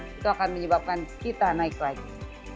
itu akan menyebabkan kita naik lagi